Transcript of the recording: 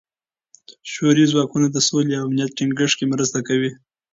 شوروي ځواکونه د سولې او امنیت ټینګښت کې مرسته کوي.